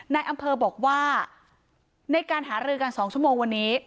นายอำเภอบอกว่าในการหารือกัน๒ชั่วโมงวันนี้